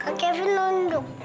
kak kevin nunduk